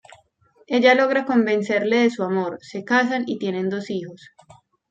Ella logra convencerle de su amor, se casan y tienen dos hijos.